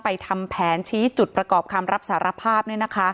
ทำแผนชี้จุดประกอบคำรับสารภาพ